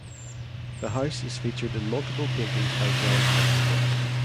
The house is featured in multiple paintings by John Constable.